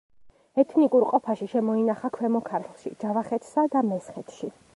ეთნიკურ ყოფაში შემოინახა ქვემო ქართლში, ჯავახეთსა და მესხეთში.